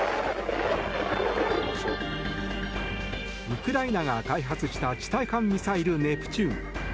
ウクライナが開発した地対艦ミサイルネプチューン。